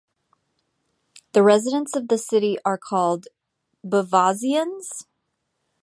The residents of the city are called Beauvaisiens.